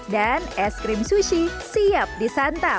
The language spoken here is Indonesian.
dan es krim sushi siap disantap